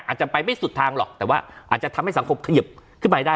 อาจจะไปไม่สุดทางหรอกแต่ว่าอาจจะทำให้สังคมขยิบขึ้นไปได้